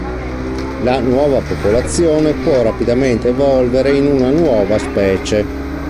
La nuova popolazione può rapidamente evolvere in una nuova specie.